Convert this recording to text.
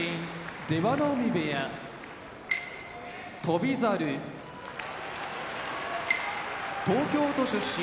出羽海部屋翔猿東京都出身